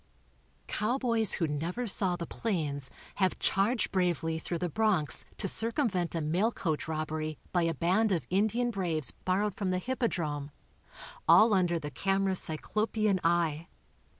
Cowboys who never saw the plains have charged bravely through the Bronx to circumvent a mail coach robbery by a band of Indian braves borrowed from the Hippodrome, all un der the camera's cyclopean eye.